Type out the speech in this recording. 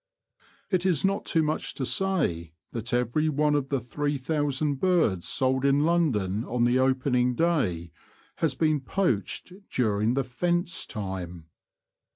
It is not too much to say that every one of the three thousand birds sold in London on the opening day has been poached during the *' fence" time.